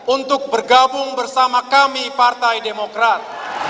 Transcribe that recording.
untuk bergabung bersama kami partai demokrat